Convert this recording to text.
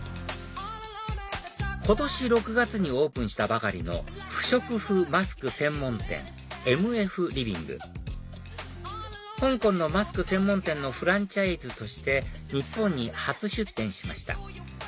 今年６月にオープンしたばかりの不織布マスク専門店ＭＦＬｉｖｉｎｇ香港のマスク専門店のフランチャイズとして日本に初出店しました